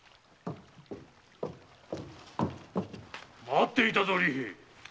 ・待っていたぞ利兵衛！